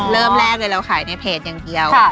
เริ่มแรกเลยเราขายในเพจอย่างเดียว